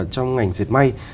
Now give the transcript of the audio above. trong ngành diệt may